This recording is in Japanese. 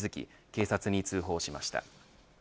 警察に通報しました。